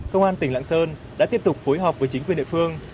công an tỉnh lạng sơn đã tiếp tục phối hợp với chính quyền địa phương